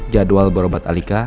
jadwal berobat alika